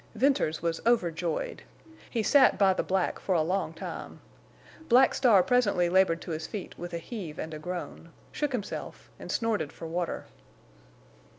Venters was overjoyed. He sat by the black for a long time. Black Star presently labored to his feet with a heave and a groan, shook himself, and snorted for water.